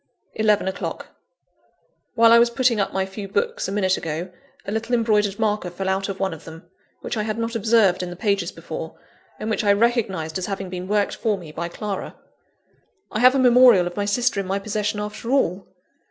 (11 o'clock.) While I was putting up my few books, a minute ago, a little embroidered marker fell out of one of them, which I had not observed in the pages before; and which I recognised as having been worked for me by Clara. I have a memorial of my sister in my possession, after all!